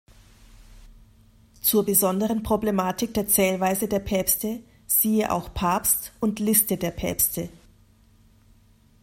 Zur besonderen Problematik der Zählweise der Päpste siehe auch Papst und Liste der Päpste.